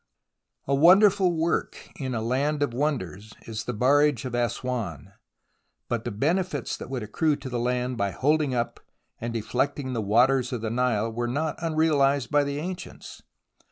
A wonderful work in a land of wonders is the barrage of Assouan, but the benefits that would accrue to the land by holding up and deflecting the waters of the Nile were not unrealized by the ancients.